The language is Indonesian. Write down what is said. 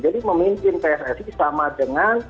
jadi memimpin pssi sama dengan